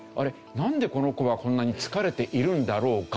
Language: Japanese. なんでこの子はこんなに疲れているんだろうか？